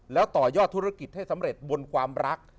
แล้วต่อยอดธุรกิจให้สำเร็จบนความรัก